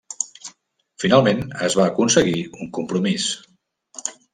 Finalment es va aconseguir un compromís.